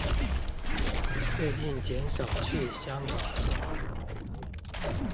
最近減少去香港吧！